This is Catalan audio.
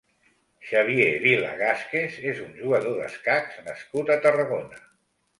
Xavier Vila Gázquez és un jugador d'escacs nascut a Tarragona.